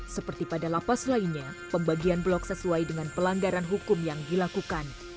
seperti pada lapas lainnya pembagian blok sesuai dengan pelanggaran hukum yang dilakukan